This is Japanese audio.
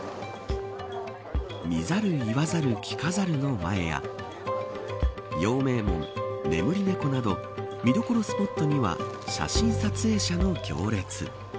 見ざる言わざる聞かざるの前や陽明門眠り猫など見どころスポットには写真撮影者の行列。